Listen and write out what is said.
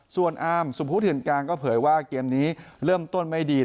ส่วนอาร์มสุพุทธเถื่อนกลางก็เผยว่าเกมนี้เริ่มต้นไม่ดี